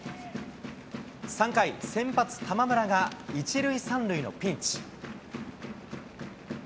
３回、先発、玉村が１塁３塁のピンチ。